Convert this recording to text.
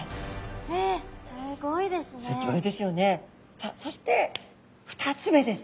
さあそして２つ目です。